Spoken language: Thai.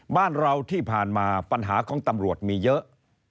บ้านเราที่ผ่านมาปัญหาของตำรวจมีเยอะ